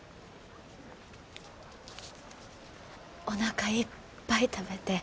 おなかいっぱい食べて。